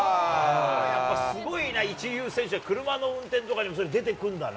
やっぱすごいな、一流選手は、車の運転とかにもそれ、出てくるんだな。